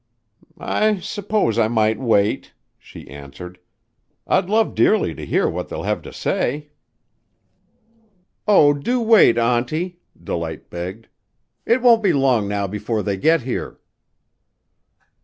"I s'pose I might wait," she answered. "I'd love dearly to hear what they'll have to say." "Oh, do wait, Auntie!" Delight begged. "It won't be long now before they get here."